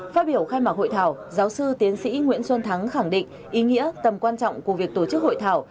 phát biểu khai mạc hội thảo giáo sư tiến sĩ nguyễn xuân thắng khẳng định ý nghĩa tầm quan trọng của việc tổ chức hội thảo